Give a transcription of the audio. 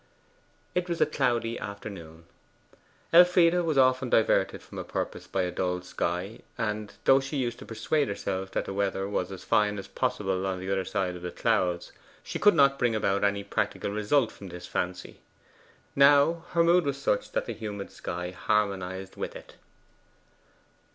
It was a cloudy afternoon. Elfride was often diverted from a purpose by a dull sky; and though she used to persuade herself that the weather was as fine as possible on the other side of the clouds, she could not bring about any practical result from this fancy. Now, her mood was such that the humid sky harmonized with it.